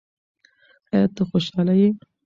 ایا ته خوشاله یې؟